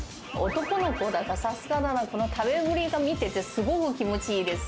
男の子だからさすがだな、この食べっぷりが、見ててすごく気持ちいいです。